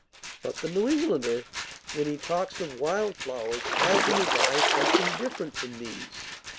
But the New Englander, when he talks of wild flowers, has in his eye something different from these.